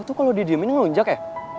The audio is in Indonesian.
lo tuh kalau didiamin ngelunjak ya